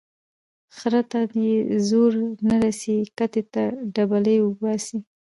ـ خره ته يې زور نه رسي کتې ته ډبلي اوباسي.